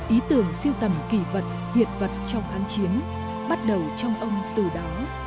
ý tưởng siêu tầm kỳ vật hiện vật trong kháng chiến bắt đầu trong ông từ đó